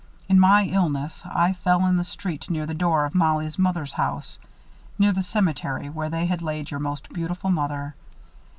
In my illness, I fell in the street near the door of Mollie's mother's house, near the cemetery where they had laid your most beautiful mother.